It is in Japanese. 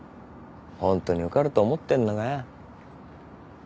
ホントに受かると思ってんのかよ。